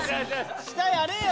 下やれよ。